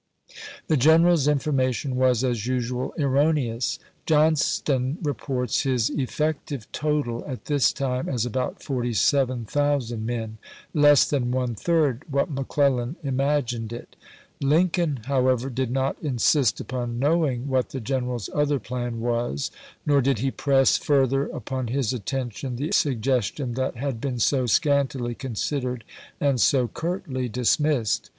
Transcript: Autograph MS. The general's information was, as usual, er roneous. Johnston reports his "effective total" 150 ABKAHAM LINCOLN CHAP. IX. at this time as about 47,000 men — less than one third what McCleUan imagined it. Lincoln, how ever, did not insist upon knowing what the general's " other plan " was ; nor did he press further upon his attention the suggestion that had been so scantily cousidered and so curtly dis missed.